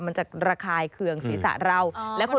มันจะระคายเคืองศีรษะเราและคนอื่น